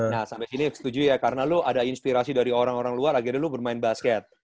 nah sampe gini setuju ya karena lu ada inspirasi dari orang orang luar akhirnya lu bermain basket